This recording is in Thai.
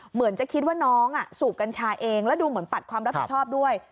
เหมือนจะคิดว่าน้องสูบกัญชาเองแล้วดูเหมือนปัดความรับผิดชอบด้วย